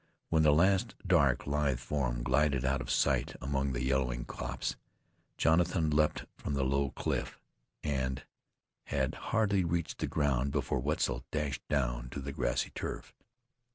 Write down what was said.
When the last dark, lithe form glided out of sight among the yellowing copse, Jonathan leaped from the low cliff, and had hardly reached the ground before Wetzel dashed down to the grassy turf.